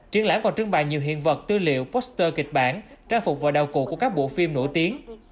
triển lãm còn trưng bày nhiều hiện vật tư liệu poster kịch bản trang phục và đào cụ của các bộ phim nổi tiếng